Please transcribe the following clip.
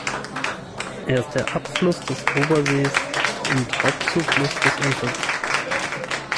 Er ist der Abfluss des Obersees und Hauptzufluss des Untersees.